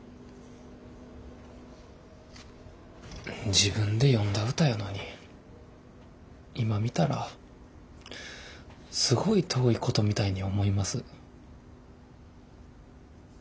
自分で詠んだ歌やのに今見たらすごい遠いことみたいに思います。